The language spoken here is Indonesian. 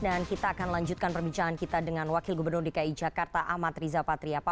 dan kita akan lanjutkan perbincangan kita dengan wakil gubernur dki jakarta amat riza patria